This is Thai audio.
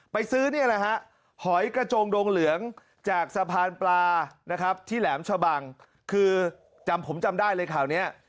ซื้อนี่แหละฮะหอยกระจงดงเหลืองจากสะพานปลานะครับที่แหลมชะบังคือจำผมจำได้เลยข่าวนี้